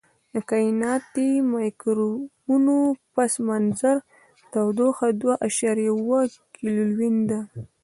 د کائناتي مایکروویو پس منظر تودوخه دوه اعشاریه اووه کیلوین ده.